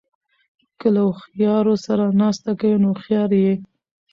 که له هوښیارو سره ناسته کوئ؛ نو هوښیار يې.